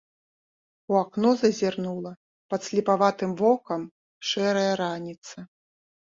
У акно зазірнула падслепаватым вокам шэрая раніца.